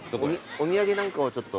お土産なんかをちょっと。